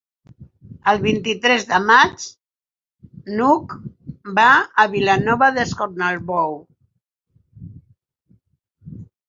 El vint-i-tres de maig n'Hug va a Vilanova d'Escornalbou.